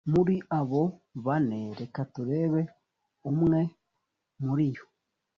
muri abo bana reka turebe amwe muri yo